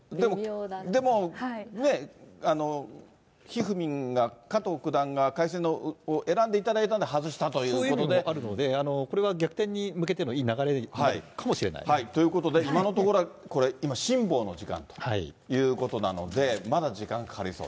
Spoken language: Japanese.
でも、ねっ、ひふみんが、加藤九段が海鮮丼を選んでいただいそういう意味もあるので、これは逆転に向けていい流れになるかもしれない。ということで、今のところは、これ、今、辛抱の時間ということなので、まだ時間かかりそう。